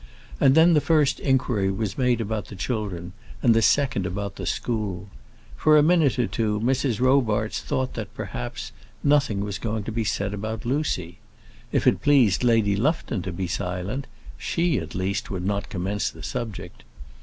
And then the first inquiry was made about the children, and the second about the school. For a minute or two Mrs. Robarts thought that, perhaps, nothing was to be said about Lucy. If it pleased Lady Lufton to be silent she, at least, would not commence the subject.